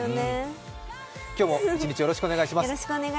今日も一日よろしくお願いします。